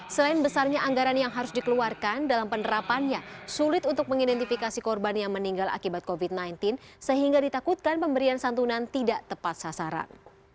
selain besarnya anggaran yang harus dikeluarkan dalam penerapannya sulit untuk mengidentifikasi korban yang meninggal akibat covid sembilan belas sehingga ditakutkan pemberian santunan tidak tepat sasaran